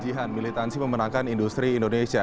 jihan militansi memenangkan industri indonesia